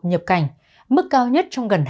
nhập cảnh mức cao nhất trong gần